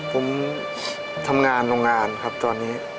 ผมทำงานโรงงานครับตอนนี้